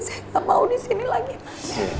saya nggak mau di sini lagi mas